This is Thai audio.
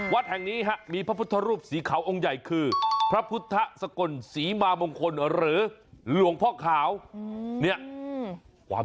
วัดแห่งนี้มีพระพุทธรูปสีขาวองค์ใหญ่คือพระพุทธสกลศรีมามงคลหรือหลวงพ่อขาวเนี่ยความ